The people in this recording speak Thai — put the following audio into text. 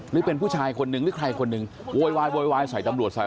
หรือเป็นผู้ชายคนหนึ่งหรือใครคนหนึ่งโวยวายโวยวายใส่ตำรวจใส่